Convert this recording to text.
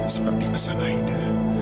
seperti pesan aida